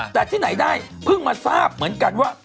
แต่ที่ไหนได้เพิ่งมาทราบเหมือนกันว่า